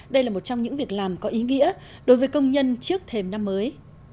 đây là một trong những việc làm có ý nghĩa đối với công nhân trước thềm năm mới